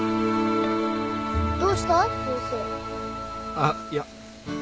あっいや。